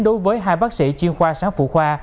đối với hai bác sĩ chuyên khoa sáng phụ khoa